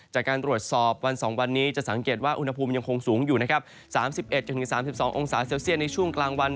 จากการตรวจสอบวัน๒วันนี้จะสังเกตว่าอุณหภูมิยังคงสูงอยู่นะครับ๓๑๓๒องศาเซลเซียตในช่วงกลางวัน